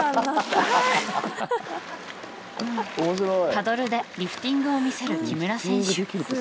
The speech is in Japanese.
パドルでリフティングを見せる木村選手。